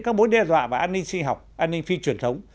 các mối đe dọa và an ninh sinh học an ninh phi truyền thống